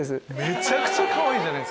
めちゃくちゃかわいい。